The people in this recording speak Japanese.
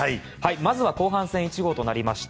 まずは後半戦１号となりました